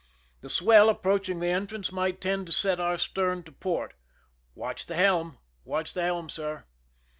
The swell approaching the entrance might tend to set our stern to port. " Watch the helm !"" Watch the helm, sir."